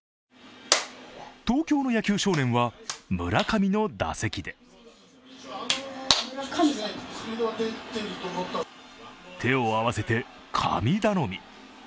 東京の野球少年は、村上の打席で手を合わせて神頼み。